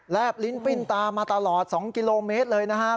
แลบลิ้นปิ้นตามันตลอด๒กิโลเมตรเลยนะฮะ